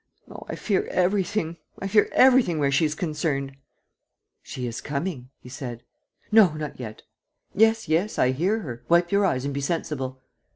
Oh, I fear everything, I fear everything, where she's concerned! ..." "She is coming," he said. "No, not yet." "Yes, yes, I hear her. ... Wipe your eyes and be sensible."